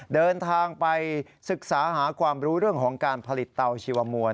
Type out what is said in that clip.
เดินทางไปศึกษาหาความรู้เรื่องของการผลิตเตาชีวมวล